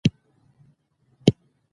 د کورونو زيانمنېدل او د خلکو د ژوند